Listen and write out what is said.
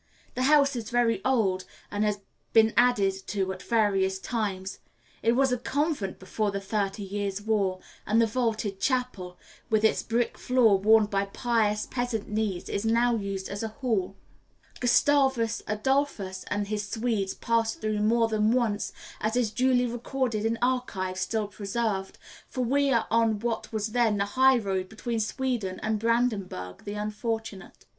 The house is very old, and has been added to at various times. It was a convent before the Thirty Years' War, and the vaulted chapel, with its brick floor worn by pious peasant knees, is now used as a hall. Gustavus Adolphus and his Swedes passed through more than once, as is duly recorded in archives still preserved, for we are on what was then the high road between Sweden and Brandenburg the unfortunate.